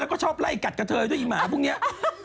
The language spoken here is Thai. แล้วก็ชอบไล่กัดกระเทยด้วยอีหมาพวกนี้